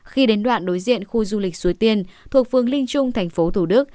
khi đến đoạn đối diện khu du lịch suối tiên thuộc phương linh trung tp thủ đức